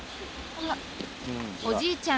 おじいちゃん